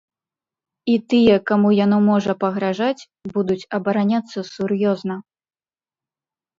І тыя, каму яно можа пагражаць, будуць абараняцца сур'ёзна.